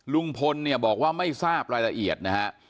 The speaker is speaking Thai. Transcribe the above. ลุงพลเนี่ยบอกว่าไม่ทราบรายละเอียดนะฮะ